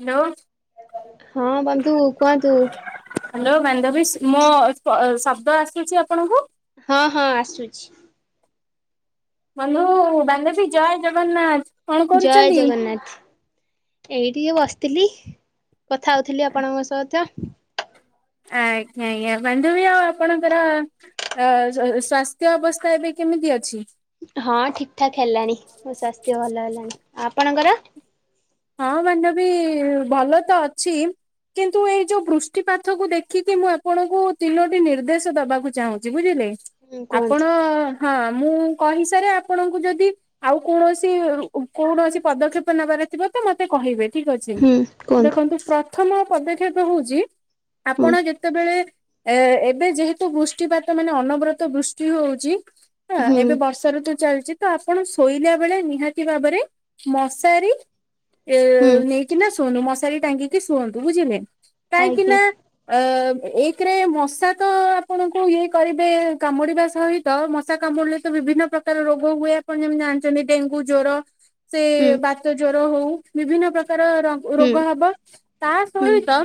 Hello ହଁ ବନ୍ଧୁ କୁହନ୍ତୁ। ହ୍ୟାଲୋ ବାନ୍ଧବୀ ମୋ ଅ-ଅ ଶବ୍ଦ ଆସୁଚି ଆପଣଙ୍କୁ? ହଁ ହଁ ଆସୁଚି। ବନ୍ଧୁ ବାନ୍ଧବୀ ଜୟ ଜଗନ୍ନାଥ। କଣ ଜୟ କରୁଛନ୍ତି? ଜଗନ୍ନାଥ ଏଇ ଟିକେ ବସିଥିଲି କଥା ହଉଥିଲି ଆପଣଙ୍କ ସହିତ। ଆଜ୍ଞା ଆଜ୍ଞା ବାନ୍ଧବୀ ଆଉ ଆପଣଙ୍କର ଅ -ଅ ସ୍ଵାସ୍ଥ୍ୟ ଅବସ୍ଥା ଏବେ କେମିତି ଅଛି? ହଁ ଠିକ ଠାକ ହେଲାଣି ମୋ ସ୍ୱାସ୍ଥ୍ୟ ଭଲ ହେଲାଣି, ଆପଣଙ୍କର? ହଁ ବାନ୍ଧବୀ ଭଲ ତ ଅଛି। କିନ୍ତୁ ଏଇ ଯୋଉ ବୃଷ୍ଟିପାତକୁୁ ଦେଖିକି ମୁଁ ଆପଣଙ୍କୁ ତିନୋଟି ନିର୍ଦ୍ଦେଶ ଦବାକୁ ଚାହୁଁଛି ବୁଝିଲେ। ହୁଁ ଆପଣ କୁହନ୍ତୁ ହଁ। ମୁଁ କହିସାରେ ଆପଣଙ୍କୁ ଯଦି ଆଉ କୌଣସି ଉ କୌଣସି ପଦକ୍ଷେପ ନେବାର ଥିବ ମତେ କହିବେ ଠିକ ଅଛି ହୁଁ କୁହନ୍ତୁ ଦେଖନ୍ତୁ ପ୍ରଥମ ପଦକ୍ଷେପ ହଉଚି ହୁଁ ଆପଣ ଯେତେବେଳେ ଏ ଏବେ ଯେହେତୁ ବୃଷ୍ଟିପାତ ମାନେ ଅନବରତ ବୃଷ୍ଟି ହଉଚି। ହ ହୁଁ। ଏବେ ବର୍ଷା ଋତୁ ଚାଲି ଚିତ ଆପଣ ଶୋଇଲା ବେଳେ ନିହାତି ଭାବରେ ମଶାରୀ ଏ ହୁଁ ନେଇକିନା ଶୁଅନି ମଶାରୀ ଟାଙ୍ଗିକି ଶୁଅନ୍ତୁ ବୁଝିଲେ ଆଜ୍ଞା କାହିଁକିନା ଅ ଏକ୍ ରେ ମଶା ତ ଆପଣଙ୍କୁ ଇଏ କରିବେ, କାମୁଡ଼ିବା ସହିତ ମଶା କାମୁଡ଼ିଲେ ତ ବିଭିନ୍ନ ପ୍ରକାର ରୋଗ ହୁଏ ଆପଣ ଯେମିତି ଜାଣିଚନ୍ତି ଡେଙ୍ଗୁ ଜ୍ଵର। ସେ ହୁଁ ବାତ ଜ୍ୱର ହଉ ବିଭିନ୍ନ ପ୍ରକାର ପ୍ରକାରର ହୁଁ ରୋଗ ହବ ତା ହୁଁ ସହିତ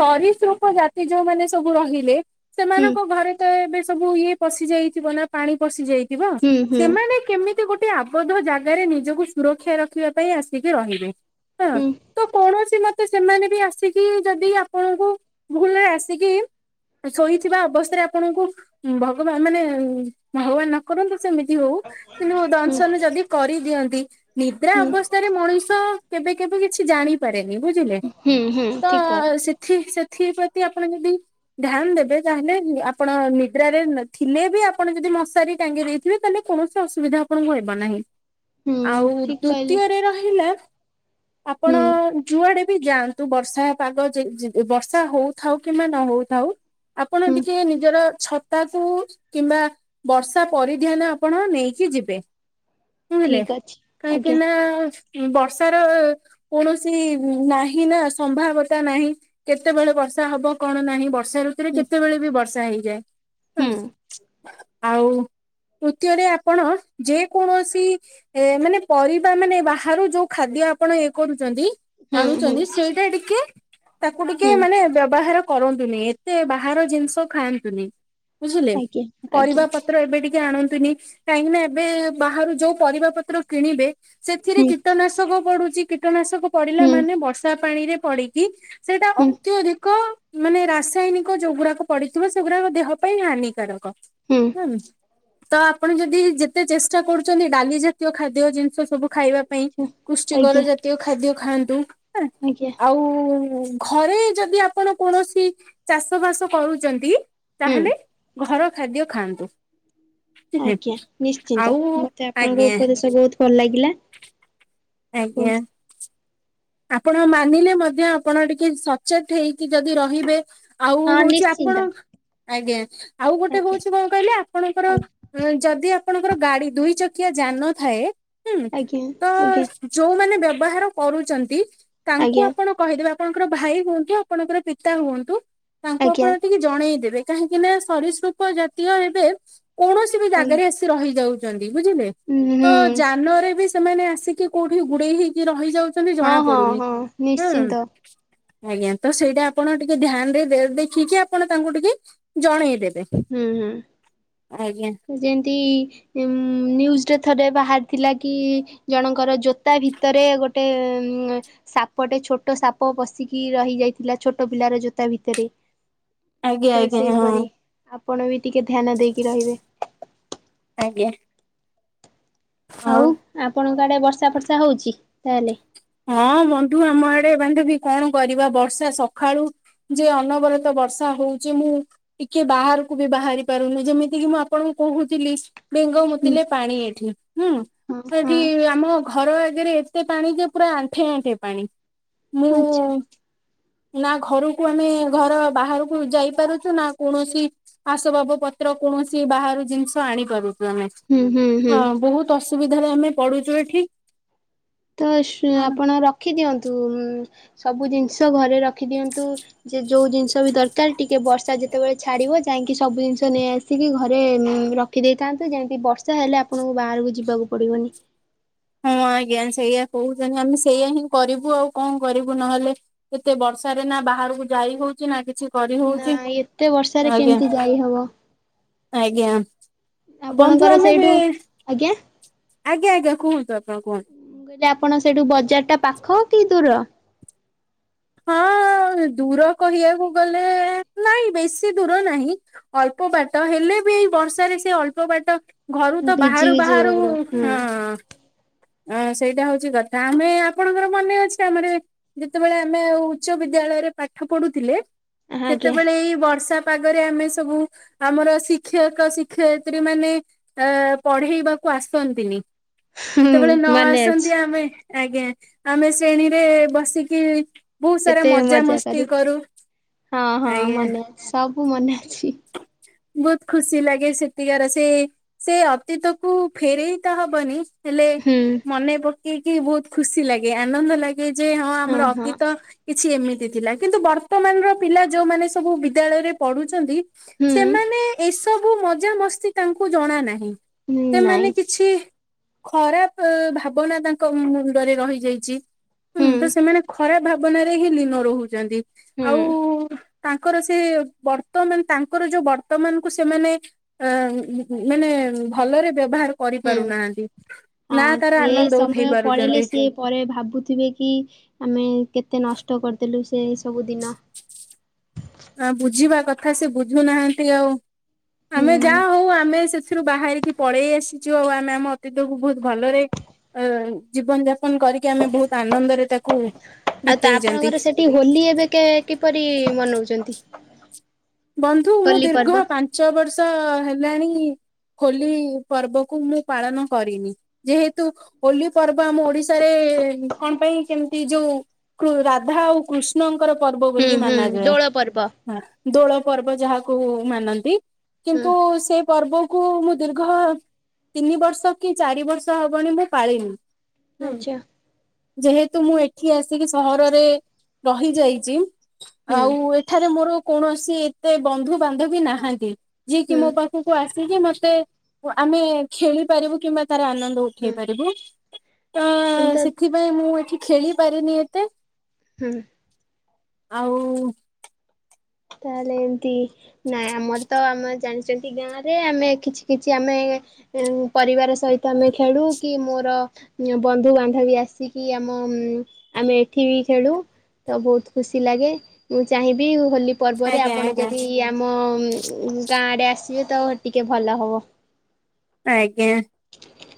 ସରୀସୃପ ଜାତି ଯୋଉମାନେ ସବୁ ରହିଲେ ହୁଁ ସେମାନଙ୍କ ଘରେ ତ ଏବେ ସବୁ ଇଏ ପଶି ଯାଇଥିବ ନା ପାଣି ପଶି ଯାଇଥିବ ହୁଁ ହୁଁ ସେମାନେ କେମି ତି ଗୋଟେ ଆବଦ୍ଧ ଜାଗାରେ ନିଜକୁ ସୁରକ୍ଷା ରଖିବା ପାଇଁ ଆସିକି ରହିବେ। ହଁ ହୁଁ। ତ କୌଣସି ମ ତେ ସେମାନେ ବି ଆସିକି ଯଦି ଆପଣଙ୍କୁ ଭୁଲରେ ଆସିକି ଶୋଇଥିବା ଅବସ୍ଥାରେ ଆପଣଙ୍କୁ ଭଗବାନ ମାନେ ଭଗବାନ ନ କରନ୍ତୁ ସେମିତି ହଉ କିନ୍ତୁ ହୁଁ ଦଂଶନ ଯଦି କରିଦିଅନ୍ତି ନିଦ୍ରା ହୁଁ ଅବସ୍ଥାରେ ମଣିଷ ଷ କେବେ କେବେ କିଛି ଜାଣିପାରେନି ବୁଝିଲେ ହୁଁ ହୁଁ ତ ଠିକ କହିଲେ ସେଥି ସେ ଥି ପ୍ରତି ଆପଣ ଯଦି ଧ୍ୟାନ ଦେବେ ତାହେଲେ ଆପଣ ନିଦ୍ରାରେ ଥିଲେ ବି ଆପଣ ଯଦି ମଶାରୀ ଟାଙ୍ଗି ଦେଇଥିବେ ତାହେଲେ କୌଣସି ଅସୁବିଧା ଆପଣଙ୍କୁ ହେବ ନାହିଁ। ହୁଁ ଆଉ ଠିକ କହିଲେ ଦ୍ଵିତୀୟରେ ରହିଲା ଆପଣ ହୁଁ ଯୁଆଡେ ବି ଯାଆନ୍ତୁ ବର୍ଷା ପାଗ ବର୍ଷା ହଉଥାଉ କିମ୍ବା ନ ହଉଥାଉ ଆପଣ ହୁଁ। ଟିକେ ନିଜର ଛତାକୁ କିମ୍ବା ବର୍ଷା ପରିଧାନ ଆପଣ ନେଇକି ଯିବେ। ହୁଁ ହେଲେ ଠିକ ଅଛି ଆଜ୍ଞା କାହିଁକିନା ବର୍ଷା। କୌଣସି ନାହିଁ ନା ସମ୍ଭାବତା ନାହିଁ କେତେବେଳେ ବର୍ଷା ହବ କଣ ନାହିଁ ବର୍ଷା ବର୍ଷା ଋତୁରେ ହୁଁ କେତେବେଳେ ବି ବର୍ଷା ହେଇଯାଏ ହୁଁ ଆଉ ତୃତୀୟରେ ଆପଣ ଯେ କୌଣସି ଏ ମାନେ ପରିବା ମାନେ ବାହାରୁ ଯୋଉ ଖାଦ୍ୟ ଆପଣ ଇଏ କରୁଛନ୍ତି ହୁଁ ହୁଁ ଆଣୁଛନ୍ତି ସେଇଟା ଟିକେ ତାକୁ ଟିକେ ହୁଁ ମାନେ ବ୍ୟବହାର କରନ୍ତୁନି ଏତେ ବାହାର ଜିନିଷ ଖାଆନ୍ତୁନି। ବୁଝିଲେ ଆଜ୍ଞା ପରିବା ଆଜ୍ଞା ପତ୍ର ଏବେ ଟିକେ ଆଣନ୍ତୁନି କାହିଁକିନା ଏବେ ବାହାରୁ ଯୋଉ ପରିବା ପତ୍ର କିଣିବେ ସେଥିରେ ହୁଁ। ନାଶକ ପଡୁଛି କୀଟନାଶକ ପଡିଲା ହୁଁ ମାନେ ବର୍ଷା ପାଣି ରେ ପଡିକି ସେଇଟା ହୁଁ ଅତ୍ୟଧିକ ମାନେ ରାସାୟନିକ ଯୋଉଗୁଡାକ ପଡିଥିବ ସେଗୁଡାକ ଦେହ ପାଇଁ ହାନିକାରକ। ହୁଁ ତ ଆପଣ ଯଦି ଯେତେ ଚେଷ୍ଟା କରୁଛନ୍ତି ଡାଲି ଜାତୀୟ ଖାଦ୍ୟ ଜିନିଷ ସବୁ ଖାଇବା ପାଇଁ ଆଜ୍ଞା କୁଷ୍ଟିକର ଜାତୀୟ ଖାଦ୍ୟ ଖାଆନ୍ତୁ ଆଜ୍ଞା ଆଉ ଘରେ ଯଦି ଆପଣ କୌଣସି ଚାଷ ବାସ କରୁଛନ୍ତି ହୁଁ ତାହେଲେ ଘର ଖାଦ୍ୟ ଖାଆନ୍ତୁ। ଆଜ୍ଞା ନିଶ୍ଚିନ୍ତ ଆଉ ମତେ ଆପଣଙ୍କ ଆଜ୍ଞା ଉପଦେଶ ବହୁତ ଭଲ ଲାଗିଲା। ଆଜ୍ଞା। କୁହନ୍ତୁ। ଆପଣ ମାନିଲେ ମଧ୍ୟ ଆପଣ ଟିକେ ସଚେତ ହେଇକି ଯଦି ରହିବେ ଆଉ ହଁ ହଉଛି ନିଶ୍ଚିନ୍ତ ଆପଣ ଆଜ୍ଞା। ଆଉ ଗୋଟେ ଆଜ୍ଞା। ହଉଛି କଣ କହିଲେ ଆପଣଙ୍କର ଆଜ୍ଞା ଯଦି ଆପଣଙ୍କର ଗାଡି ଦୁଇ ଚକିଆ ଯାନ ଥାଏ ହୁଁ ଆଜ୍ଞା ତ ଆଜ୍ଞା ଯୋଉମାନେ ବ୍ୟା ବ୍ୟବହାର କରୁଛନ୍ତି ତାଙ୍କୁ ଆପଣ କହିଦେବ ଆପଣଙ୍କର ଭାଇ ହୁଅନ୍ତୁ ଆପଣଙ୍କର ପିତା ହୁଅନ୍ତୁ ତାଙ୍କୁ ଆଜ୍ଞା ଆପଣ ଟିକେ ଜଣେଇଦେବେ କାହିଁକି ନା ସରିସୃପ ଜାତୀୟ ଏବେ କୌଣସି ବି ଆଜ୍ଞା। ଜାଗାରେ ଆସି ରହିଯାଉ ବୁଝିଲେ ତ ହୁଁ ଯାନରେ ବି ସେମାନେ ଆସିକି କୋଉଠି ଗୁଡେଇ ହେଇକି ରହିଯାଉଛନ୍ତି ହଁ ଜଣା ହଁ ପଡ଼ୁନି ହଁ ଆଁ ନିଶ୍ଚିନ୍ତ ଆଜ୍ଞା ତ ସେଇଟା ଆପଣ ଟିକେ ଧ୍ୟାନ ରେ ଦେଖିକି ଆପଣ ତାଙ୍କୁ ଟିକେ ଜଣେଇଦେବେ। ହୁଁ ହୁଁ। ଆଜ୍ଞା। ଯେମିତି ନ୍ୟୁଜରେ ଥରେ ବାହାରିଥିଲା କି ଜଣଙ୍କର ଜୋତା ଭି ରେ ଗୋଟେ ଉ ସାପଟେ ଛୋଟ ସାପ ବସିକି ରହି ଯାଇଥିଲା ଛୋଟ ପିଲାର ଜୋତା। ତା ଭିତରେ। ଆଜ୍ଞା ତ ଆଜ୍ଞା ହଁ। ସେଇପରି ଆପଣ ବି ଟିକେ ଧ୍ୟାନ ଦେଇକି ରହିବେ। ଆଜ୍ଞା। ଆଉ ହଉ ଆପଣଙ୍କ ଆଡେ ବର୍ଷା ବର୍ଷା ହଉଛି ତାହେଲେ। ହଁ ବନ୍ଧୁ ଆମ ଆଡେ ବାନ୍ଧବୀ କଣ କରିବା ବର୍ଷା ସକାଳୁ ଯେ ଅନବରତ ବର୍ଷା ହଉଛି ମୁଁ ଟିକେ ବାହାରକୁ ବି ବାହାରି ପାରୁନି ଯେମିତି କିି ମୁଁ ଆପଣଙ୍କୁ କହୁଥିଲି ବେଙ୍ଗ ହୁଁ ମୁତିଲେ ପାଣି ଏଠି। ହୁଁ ହଁ ସେଠି ହଁ ଆମ ଘର ଆଗରେ ଏତେ ପାଣି ଯେ ପୁରା ଆଣ୍ଠେ ଆଣ୍ଠେ ପାଣି। ମୁଁ ଆଚ୍ଛା ନା ଘରକୁ ଆମେ ଘର ବାହାରକୁ ଯାଇପାରୁଛୁ ନା କୌଣସି ଆସବାବ ପତ୍ର କୌଣସି ବାହାରୁ ଜିନିଷ ଆଣି କରୁ ହୁଁ ହୁଁ ହୁଁ ହଁ ବହୁତ ଅସୁବିଧାରେ ଆମେ ପଡୁଛୁ ଏଠି ତ କଣ ଆପଣ ରଖିଦିଅନ୍ତୁ। ସବୁ ଜିନିଷ ଘରେ ରଖିଦିଅନ୍ତୁ ଯେ ଯୋଉ ଜିନିଷ ବି ଦରକାର ଟିକେ ବର୍ଷା ଯେତେବେଳେ ଛାଡିବ ଯାଇ କାହିଁକି ସବୁ ଜିନିଷ ନେଇଆସିକି ଘରେ ରଖିଦେଇଥାନ୍ତୁ ଯେମିତି ବର୍ଷା ହେଲେ ଆପଣଙ୍କୁ ବାହାରକୁ ଯିବାକୁ ପଡ଼ିବନି। ହଁ, ଆଜ୍ଞା। ସେଇଆ କହୁଛନ୍ତି ଆମେ ସେଇଆ ହିଁ କରିବୁ ଆଉ କଣ କରିବୁ ନହେଲେ କେତେ ବ ବର୍ଷାରେ ନା ବାହାରକୁ ଯାଇ ହଉଛି ନା କିଛି କରି ନା, ହଉଛି ଏତେ ବର୍ଷାରେ ଆଜ୍ଞା କେମିତି ଯାଇ ହବ। ଆଜ୍ଞା ବନ୍ଧୁ ଆପଣଙ୍କର ଆମେ ବି ସେଇଠୁ ଆଜ୍ଞା ଆଜ୍ଞା ଆଜ୍ଞା କୁହନ୍ତୁ ଆପଣ କୁହନ୍ତୁ। କହିଲେ ଆପଣ ସେଇଠୁ ବଜାର ଟା ପାଖ କି ଦୂର? ହଁ। ଦୂର କହିବାକୁ ଗଲେ ନାଇଁ ବେଶୀ ଦୂର ନାହିଁ, ଅଳ୍ପ ବାଟ ହେଲେ ଏଇ ବର୍ଷାରେ ସେ ଅଳ୍ପ ବାଟ ଘରୁ ତ ବାହାରୁ ଭିଜିକି ଯିବ ବାହାରୁ ପୁରା। ହଁ ହୁଁ ହଁ, ସେଇଟା ହଉଛି କଥା ଆମେ ଆପଣଙ୍କର ମନେ ଅଛି ଆମର ଯେତେବେଳେ ଆମେ ଆଉ ଉଚ୍ଚ ବିଦ୍ୟା ଦ୍ୟାଳୟରେ ପାଠ ପଢୁଥିଲେ ଆଜ୍ଞା ସେତେବେଳେ ଏଇ ବର୍ଷା ପାଗରେ ଆମେ ସବୁ ଆମର ଶିକ୍ଷକ, ଶିକ୍ଷୟତ୍ରୀ ମାନେ ଅ ପଢେଇବାକୁ ଆସନ୍ତିନି। ହୁଁ ଯେତେବେଳେ ନ ମନେ ଅଛି ଆସନ୍ତି ଆମେ ଆଜ୍ଞା ଆମେ ଶ୍ରେଣୀରେ ବସିକି ବହୁତ ସାରା କେତେ ମଜା କରୁ ମଜାମସ୍ତି ହଁ, ହଁ ଆଜ୍ଞା। ମନେ ଅଛି ସବୁ ମନେ ଅଛି। ପି ବହୁତ ଖୁସି ଲାଗେ ସେତିକାର ସେ ସେ ଅତୀତକୁ ଫେରେଇ ତ ହବନି ହେଲେ ହୁଁ ମନେ ପକେଇକି ବହୁତ ଖୁସି ଲାଗେ ଆନନ୍ଦ ଲାଗେ। ଯେ ହଁ, ଆମର ଅତୀତ କିଛି ଏମିତି ଥିଲା କିନ୍ତୁ ବର୍ତ୍ତମାନର ପିଲା ଯୋଉମାନେ ସବୁ ବିଦ୍ୟାଳୟରେ ପଢୁଛନ୍ତି ହୁଁ। ସବୁ ମଜା ମସ୍ତି ତାଙ୍କୁ ଜଣା ନାହିଁ। ହୁଁ ନାଇଁ ସେମାନେ କିଛି ଖରାପ ଭାବନା ତାଙ୍କ ମୁଣ୍ଡରେ ରହିଯାଇଛି। ହୁଁ ତ ସେମାନେ ଖରାପ ଭାବନାରେ ହିଁ ଲୀନ ରହୁଛନ୍ତି ହୁଁ ଆଉ ତାଙ୍କର ସେ ବର୍ତ୍ତମାନ ତାଙ୍କ ତାଙ୍କର ଯୋଉ ବର୍ତ୍ତମାନ କୁ ସେମାନେ ଅ ମାନେ ଭଲରେ ବ୍ୟବହାର ହୁଁ। କରିପାରୁନାହାନ୍ତି ନା, ହଁ ତାର ଟିକେ ଏଇ ଆନନ୍ଦ ଉଠେଇ ସମୟ ପଳେଇଲେ ପାରୁଛନ୍ତି। ସିଏ ପରେ ଭାବୁଥିବେ କି ଆମେ କେତେ ନଷ୍ଟ କରିଦେଲୁ ସେ ସବୁ ଦିନ ଆ ବୁଝିବା କଥା ସେ ବୁଝୁନାହାନ୍ତି ଆଉ ଆମେ ହୁଁ ଯାହା ହଉ ଆମେ ଥିରୁ ବାହାରିକି ପଳେଇ ଆସିଛୁ ଆଉ ଆମେ ଆମ ଅତୀତକୁ ବହୁତ ଭଲରେ ଅ ଜୀବନ ଯାପନ କରିକି ଆମେ ବହୁତ ଆନନ୍ଦରେ ତାକୁ ଆଉ ତ ବିତେଇଛନ୍ତି ଆପଣଙ୍କର ସେଠି ହୋଲି ଏବେ କେ କିପରି ମନଉଛନ୍ତି? ବନ୍ଧୁ ମୁଁ ହୋଲି ପର୍ବ ଦୀର୍ଘ ପାଞ୍ଚ ବର୍ଷ ହେଲାଣି ହୋଲି ପର୍ବକୁ ମୁଁ ପାଳନ କରିନି ଯେହେତୁ ହୋଲି ପର୍ବ ଆମ ଓଡିଶାରେ କଣ ପାଇଁ କେମିତି ଯୋଉ କୃ ରାଧା ଆଉ କୃଷ୍ଣଙ୍କର ପର୍ବ ହୁଁ ବୋଲି ହୁଁ ମାନାଯାଏ ଦୋଳ ପର୍ବ। ହଁ। ଦୋଳ ପର୍ବ ଯାହାକୁ ମାନନ୍ତି। ହୁଁ କିନ୍ତୁ ସେ ପର୍ବକୁ ମୁଁ ଦୀର୍ଘ ତିନି ବର୍ଷ କି ଚାରି ବର୍ଷ ହବଣି ମୁଁ ପାଳିନି। ହୁଁ, ଆଚ୍ଛା। ଯେହେତୁ ମୁଁ ଏଠି ଆସିକି ସହରରେ ରହି ଯାଇଛି ହୁଁ ଆଉ ଏଠାରେ ମୋର କୌଣସି ଏତେ ବନ୍ଧୁ ବାନ୍ଧବୀ ନାହାନ୍ତି। ଯିଏ କିି ହୁଁ ମୋ ପାଖକୁ ଆସିକି ମତେ ଆମେ ଖେଳିପାରିବୁ କିମ୍ବା ତାର ଆନନ୍ଦ ହୁଁ ଉଠେଇ ପାରିବୁ। ତ ଏନ୍ତା ସେଥିପାଇଁ ମୁଁ ଏଠି ଖେଳି ପାରିନି ଏତେ ହୁଁ। ଆଉ ତାହେଲେ ଏମିତି ନାଇଁ ଆମର ତ ଆମେ ଜାଣିଛନ୍ତି ଗାଁ ରେ ଆମେ କିଛି କିଛି ଆମେ ପରିବାର ସହ ଆମେ ଖେଳୁ କି ମୋର ବନ୍ଧୁବାନ୍ଧବ ବି ଆସିକି ଆମ। ଆମେଏଠି ଖେଳୁ ବହୁତ ଖୁସି ଲାଗେ ମୁଁ ଚାହିଁବି ହୋଲି ପର୍ବରେ ଆଜ୍ଞା ଆପଣ ଆଜ୍ଞା ଯଦି ଆମ। ଗାଁ ଆଡେ ଆସିବେ ତ ଟିକେ ଭଲ ହବ। ଆଜ୍ଞା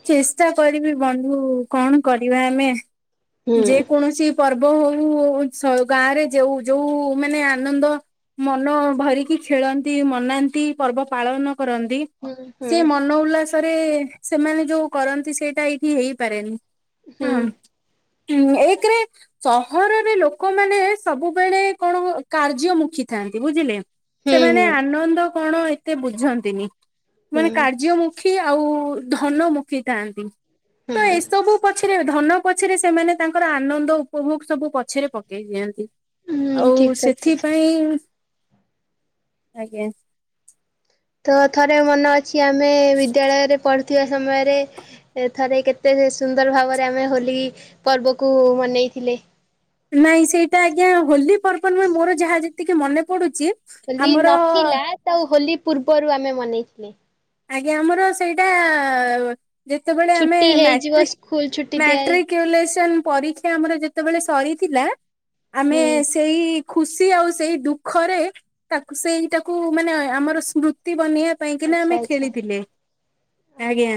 ଚେଷ୍ଟା କରିବି ବନ୍ଧୁ କଣ କରିବା ଆମେ। ହୁଁ ଯେ କୌଣସି ପର୍ବ ବୋହୁ ହଉ ଗାଁ ରେ ଯୋଉ ଯୋଉ ମାନେ ଆନନ୍ଦ। ମନ ଭରିକି ଖେଳନ୍ତି ମନାନ୍ତି ପର୍ବ ପାଳନ। କରନ୍ତି ହୁଁ ହୁଁ ସେ ମନ ଉଲ୍ଲାସରେ ସେମାନେ ଯୋଉ କରନ୍ତି ସେଇଟା ଏଇଠି ହେଇପାରେନି ହୁଁ ହଁ। ହଁ ଏକରେ ସହରରେ ଲୋକମାନେ ସବୁବେଳେ କଣ କାର୍ଯ୍ୟମୁଖୀ ଥାଏ। ତାହାନ୍ତି ବୁଝିଲେ। ସେମାନେ ଆନନ୍ଦ କଣ ଏତେ ବୁଝନ୍ତିନି ହୁଁ ମାନେ କାର୍ଯ୍ୟମୁଖୀ। ମୁଖି ଆଉ ଧନ ମୁଖିଥାନ୍ତି। ହୁଁ ହୁଁ ତ ଏସବୁ ପଛରେ ଧନ ପଛରେ ସେମାନେ ତାଙ୍କର ଆନନ୍ଦ ଉପଭୋଗ ସବୁ ପଛରେ ପକେଇ ଦିଅନ୍ତି। ହୁଁ ଠିକ ଆଉ କଥା ସେଥିପାଇଁ ଆଜ୍ଞା। ତ ଥରେ ମନେ ଅଛି ଆମେ ବିଦ୍ୟାଳୟରେ ପଢୁ। ଥିବା ସମୟରେ ଥରେ କେତେ ସୁନ୍ଦର ଭାବରେ ଆମେ ହୋଲି ପର୍ବକୁ ମନେଇ। ଥିଲେ। ନାଇଁ ସେଇଟା ଆଜ୍ଞା ହୋଲିପର୍ବ ନୁହେଁ ମୋର ଯାହା ଯେତିକି ମନେ ପଡୁଛି। ହୋଲି ଆମର ନଥିଲା ତ ହୋଲି ପୂର୍ବରୁ ଆମେ ମନେଇଥିଲେ । ଆଜ୍ଞା ଆମର ସେଇଟା ଆ ଯେତେବେଳେ ଆମେ ଛୁଟି ହେଇଯିବ ମାଟ୍ରିକି ସ୍କୁଲ ଛୁଟି ଦିଆ ହେଇ ମାଟ୍ରିକି ଇଉଲେସନ ପରୀକ୍ଷା ଆମର ଯେତେବେଳେ ସରିଥିଲା ଆମେ ହୁଁ ସେଇ। ଖୁସି ଆଉ ସେଇ ଦୁଃଖରେ ତାକୁ ସେଇଟାକୁ ମାନେ ଆମର ସ୍ମୃତି ବନେଇ ପାଇଁକିନା ଆଚ୍ଛା ଆମେ ଆଚ୍ଛା। ଖେଳିଥିଲେ ଆଜ୍ଞା।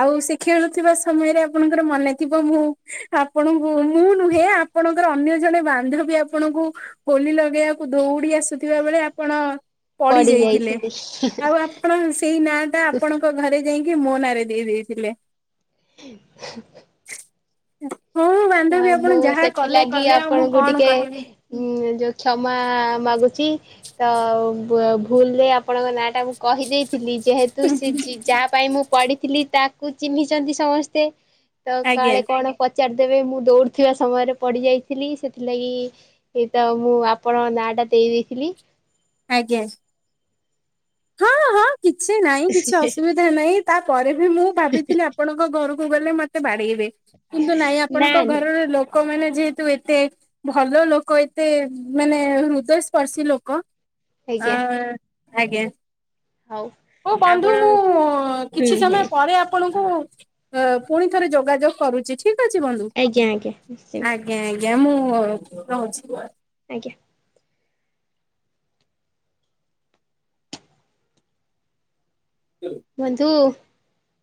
ଆଉ ସେ ଖେଳୁଥିବା ସମୟରେ ଆପଣଙ୍କର ମନେ ଥିବ ମୁଁ ଆପଣଙ୍କୁ ମୁଁ ନୁହେଁ । ଆପଣଙ୍କର ଅନ୍ୟ ଜଣେ ବାନ୍ଧବୀ ଆପଣଙ୍କୁ ହୋଲି ଲଗେଇବାକୁ ଦୌଡି ଆସି। ଆସୁଥିବା ବେଳେ ଆପଣ ପଡି ଯାଇଥିଲେ ଆଉ ଆପ ଆପଣ ସେଇ ନାଁ ଟା ଆପଣଙ୍କ ଘରେ ଯାଇକି ମୋ ନାଁରେ ଦେଇଥିଲେ। ହୁଁ ହୁଁ। ଉଁ। ଆ ମୁଁ ସେଥିଲାଗି ଆଉ ମୁଁ ଆପଣଙ୍କୁ କଣ ଟିକେ କରିବି। ଉଁ ଯୋଉ କ୍ଷମା ମାଗୁଛି। ଚି ତ ଭୁଲରେ ଆପଣଙ୍କ ନାଁ ଟା ମୁଁ କହିଦେଇ ଥିଲି ଯେହେତୁ ସେ ଜି ଜିଯାହା ପାଇଁ ମୁଁ ପଢିଥିଲି ତାକୁ ଚିହ୍ନିଛନ୍ତି ସମସ୍ତେ। ତ ଆଜ୍ଞା କାଳେ କଣ ପଚା ତବେ ମୁଁ ଦୌଡଥିବା ସମୟରେ ପଡିଯାଇଥିଲି ସେଥିଲାଗି ତ ମୁଁ ଆପଣଙ୍କ ନାଁ ଟା ଦେ ଦେଇ ଦେଇଥିଲି। ଆଜ୍ଞା। ହଁ ହଁ କିଛି ନାହିଁ କିଛି ଅସୁବିଧା ନାହିଁ ତାପରେ ବି ମୁଁ ଭାବିଥିଲି ଆପଣଙ୍କ ଘରକୁ। ମୁଁ ଗଲେ ମତେ ବାଢେଇବେ କିନ୍ତୁ ନାଇଁ ନା ଆପଣଙ୍କ ନା। ଘରର ଲୋକମାନେ। ଯେହେତୁ ଏତେ ଭଲ ଲୋକ ଏତେ ମାନେ ହୃଦୟସ୍ପର୍ଶୀ ଲୋକ। ହଁ ଆଜ୍ଞା ଆଜ୍ଞା। ହଉ। ହଉ ବନ୍ଧୁ ଆପଣ ମୁଁ ହୁଁ କିଛି ହୁଁ ସମୟ ପରେ ଆପଣଙ୍କୁ। ତ ପୁଣି ଥରେ ଯୋଗାଯୋଗ କରୁଛି ଠିକ ଅଛି ବନ୍ଧୁ। ଆଜ୍ଞା ଆଜ୍ଞା ନିଶ୍ଚିନ୍ତ ଆଜ୍ଞା ମୁଁ ରହୁଛି। ଆଜ୍ଞା। ବନ୍ଧୁ।